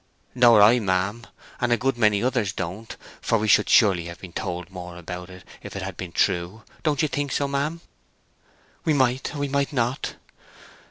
"Nor I, ma'am. And a good many others don't; for we should surely have been told more about it if it had been true—don't you think so, ma'am?" "We might or we might not."